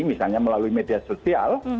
misalnya melalui media sosial